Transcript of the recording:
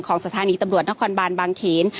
สถานีตำรวจนครบานบางเขน